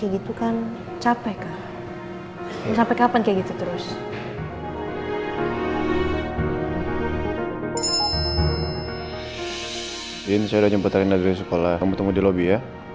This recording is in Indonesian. gitu kan capek sampai kapan gitu terus ini saya udah jemput rina dari sekolah kamu tunggu di lobby ya